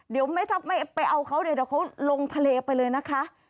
เดี๋ยวไม่ไปเอาเขาเดี๋ยวเขาลงทะเลไปเลยนะคะ